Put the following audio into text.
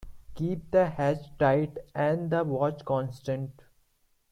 Keep the hatch tight and the watch constant.